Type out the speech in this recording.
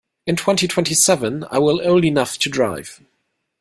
In twenty-twenty-seven I will old enough to drive.